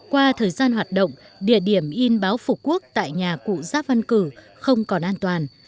qua thời gian hoạt động địa điểm in báo phục quốc tại nhà cụ giáp văn cử không còn an toàn